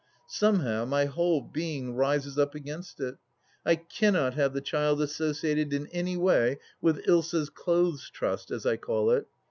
Somehow my whole being rises up against it. I cannot have the child associated in any way with Ilsa's Clothes Trust, as I call it.